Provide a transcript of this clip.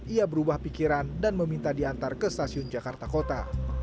ia berubah pikiran dan meminta diantar ke stasiun jakarta kota